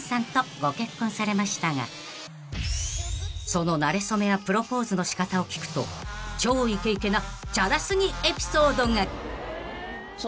［そのなれ初めやプロポーズの仕方を聞くと超イケイケなチャラ過ぎエピソードが］